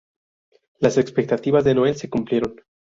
Las expectativas de Noel se cumplieron.